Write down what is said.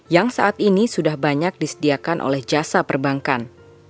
yang saat ini sudah banyak disediakan oleh jasa perbankan